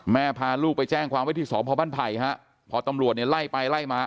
พาลูกไปแจ้งความไว้ที่สพบ้านไผ่ฮะพอตำรวจเนี่ยไล่ไปไล่มา